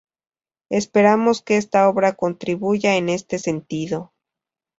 Esperamos que esta obra contribuya en este sentido.